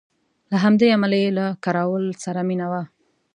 له همدې امله یې له کراول سره مینه وه.